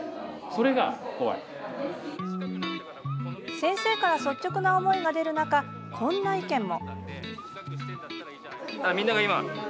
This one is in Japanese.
先生から率直な思いが出る中こんな意見も。